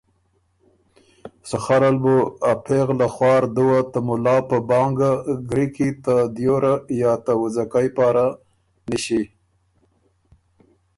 سخر ال بُو ا پېغله خوار دُوه ته مُلا په بانګ ګری کی ته دیوره یا ته وُځَکئ پاره نِݭی۔